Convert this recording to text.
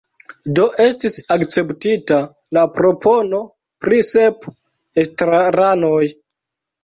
Do estis akceptita la propono pri sep estraranoj.